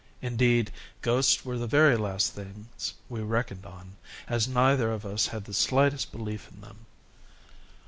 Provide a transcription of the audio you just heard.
Indeed ghosts were the very last things we reckoned on, as neither of us had the slightest belief in them.